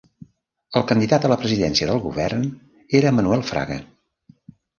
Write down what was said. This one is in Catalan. El candidat a la presidència del govern era Manuel Fraga.